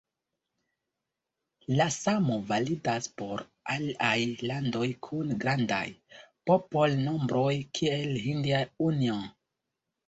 La samo validas por aliaj landoj kun grandaj popolnombroj kiel Hindia Unio.